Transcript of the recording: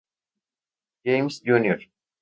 James Jr.